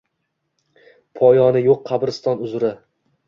Poyoni yo’q qabriston uzra.